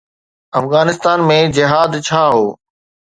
افغانستان ۾ جهاد ڇا هو؟